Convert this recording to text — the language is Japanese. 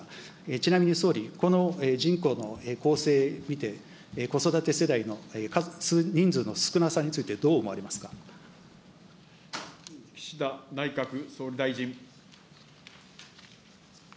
ちなみに、総理、この人口の構成見て、子育て世代の人数の少なさについて、どう思岸田内閣総理大臣。